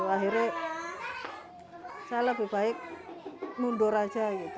akhirnya saya lebih baik mundur saja